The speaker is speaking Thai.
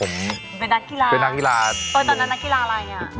ตอนตอนนั้นนักกีฬาอะไรอย่างเนี่ย